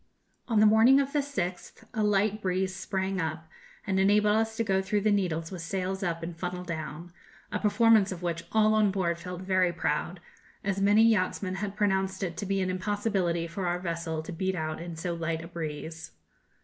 On the morning of the 6th a light breeze sprang up, and enabled us to go through the Needles with sails up and funnel down, a performance of which all on board felt very proud, as many yachtsmen had pronounced it to be an impossibility for our vessel to beat out in so light a breeze.